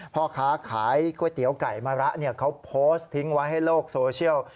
พ่อค้าขายก๋วยเตี๋ยวไก่มะระเขาโพสต์ทิ้งไว้ให้โลกโซเชียล